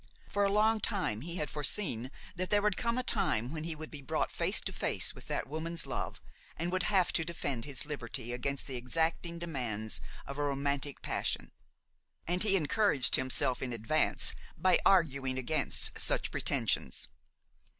For a long time he had foreseen that there would come a time when he would be brought face to face with that woman's love and would have to defend his liberty against the exacting demands of a romantic passion; and he encouraged himself in advance by arguing against such pretensions.